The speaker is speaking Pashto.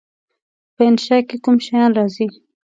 په انشأ کې کوم شیان راځي؟